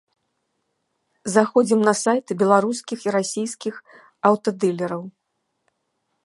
Заходзім на сайты беларускіх і расійскіх аўтадылераў.